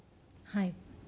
はい。